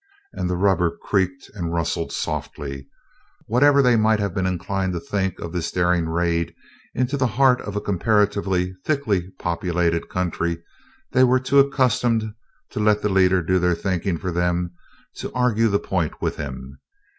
And the rubber creaked and rustled softly. Whatever they might have been inclined to think of this daring raid into the heart of a comparatively thickly populated country, they were too accustomed to let the leader do their thinking for them to argue the point with him.